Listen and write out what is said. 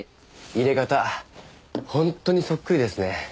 淹れ方本当にそっくりですね。